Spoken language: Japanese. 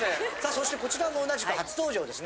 そしてこちらも同じく初登場ですね